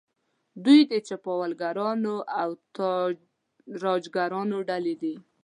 دوی د چپاولګرانو او تاراجګرانو ډلې دي.